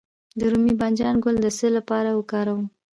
د رومي بانجان ګل د څه لپاره وکاروم؟